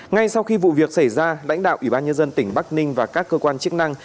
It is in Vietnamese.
ngay sau khi vụ việc xảy ra lãnh đạo ủy ban nhân dân tỉnh bắc ninh và các cơ quan chức năng